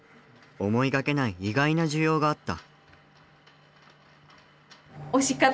思いがけない意外な需要があった。